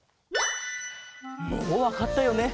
もうわかったよね？